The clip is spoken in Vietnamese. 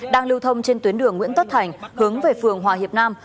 đang lưu thông trên tuyến đường nguyễn tất thành hướng về phường hòa hiệp nam